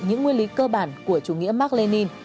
những nguyên lý cơ bản của chủ nghĩa mark lenin